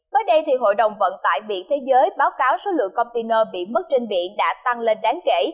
bởi đây hội đồng vận tải viện thế giới báo cáo số lượng container bị mất trên viện đã tăng lên đáng kể